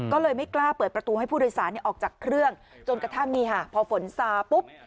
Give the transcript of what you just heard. ก็เลยไม่กล้าเปิดประตูให้ผู้โดยสารออกจากเครื่องจนกระทั่งนี่ค่ะพอฝนซาปุ๊บ